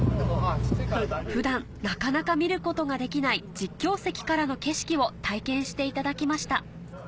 普段なかなか見ることができない実況席からの景色を体験していただきました